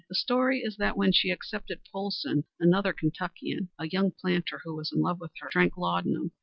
The story is that when she accepted Polsen another Kentuckian a young planter who was in love with her, drank laudanum.